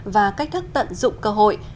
và cách thức tận dụng cơ hội